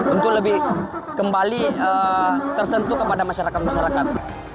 untuk lebih kembali tersentuh kepada masyarakat masyarakat